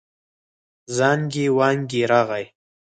زانګې وانګې راغی.